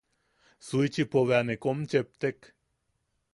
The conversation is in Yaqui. Suichipo bea ne kom cheptek.